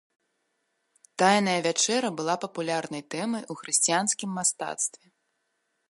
Тайная вячэра была папулярнай тэмай у хрысціянскім мастацтве.